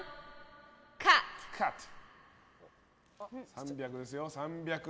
３００ですよ。